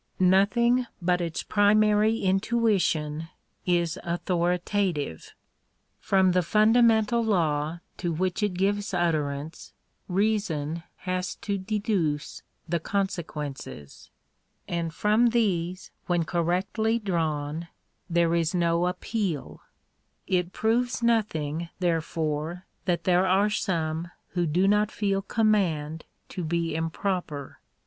Nothing but its primary intuition is authoritative. From the funda .mental law to which it gives utterance, reason has to deduce the consequences; and from these, when correctly drawn, theip J m 2 Digitized by CjOOQ IC J 64 THE RIGHTS OF WOMEN. is no appeal. It proves nothing, therefore, that there are some J who do not feel command to be improper.